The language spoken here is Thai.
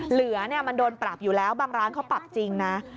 เหลือมันโดนปรับอยู่แล้วบางร้านเขาปรับจริงนะ